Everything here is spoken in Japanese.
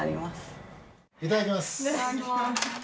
ただきます。